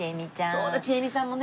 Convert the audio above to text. そうだちえみさんもね。